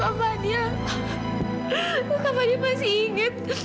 kamu masih ingat apa yang kamila idamkan selain sebuah